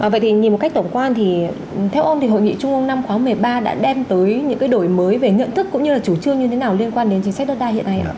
vậy thì nhìn một cách tổng quan thì theo ông thì hội nghị trung ương năm khóa một mươi ba đã đem tới những cái đổi mới về nhận thức cũng như là chủ trương như thế nào liên quan đến chính sách đất đai hiện nay ạ